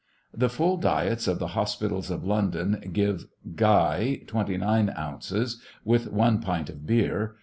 The full diets of the hospitals of London give, Guy, 29 ounces, with one pint of beer